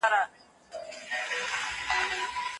پادشاه د امام قلي خان دیارلس زامن په یوه شپه ووژل.